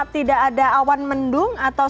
tidak ada awan mendung atau